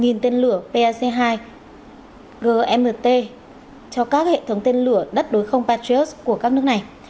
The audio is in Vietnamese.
nghìn tên lửa pac hai gmt cho các hệ thống tên lửa đất đối không patriot của các nước này